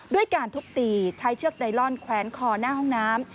ด้วยการทุบตีใช้เชือกไดลอนแขวนคอหน้าห้องน้ำ